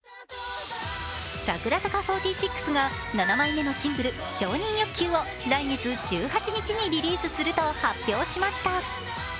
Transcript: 櫻坂４６が７枚目のシングル「承認欲求」を来月１８日にリリースすると発表しました。